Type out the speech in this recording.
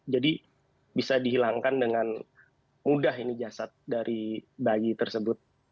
jadi bisa dihilangkan dengan mudah ini jasad dari bayi tersebut